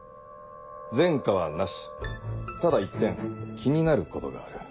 前科はなしただ一点気になることがある。